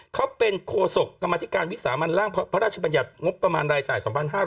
เขาเป็นโคศกกรรมธิการวิสามันร่างพระราชบัญญัติงบประมาณรายจ่าย๒๕๖๐